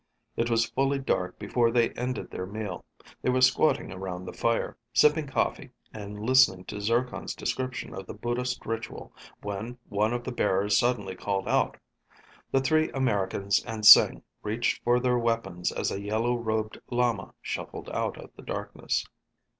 It was fully dark before they ended their meal. They were squatting around the fire, sipping coffee and listening to Zircon's description of the Buddhist ritual when one of the bearers suddenly called out. The three Americans and Sing reached for their weapons as a yellow robed lama shuffled out of the darkness.